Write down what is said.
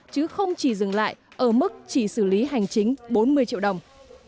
chứ không chỉ dừng lại ở mức chỉ xử lý hành chính bốn mươi triệu đồng